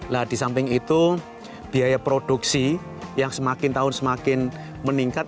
nah di samping itu biaya produksi yang semakin tahun semakin meningkat